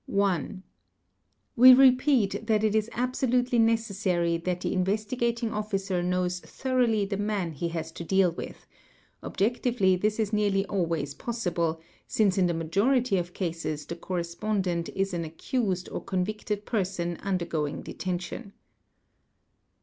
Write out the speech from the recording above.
1. We repeat that it is absolutely necessary that the Investigating || Officer knows thoroughly the man he has to deal with; objectively this is nearly always possible, since in the majority of cases the correspondent is an accused or convicted person undergoing detention.